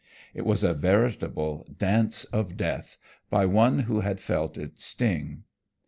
It was a veritable Dance of Death by one who had felt its sting.